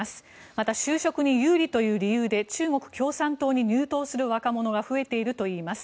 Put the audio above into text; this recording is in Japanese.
また、就職に有利という理由で中国共産党に入党する若者が増えているといいます。